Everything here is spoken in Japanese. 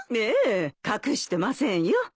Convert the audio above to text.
ええ隠してませんよ。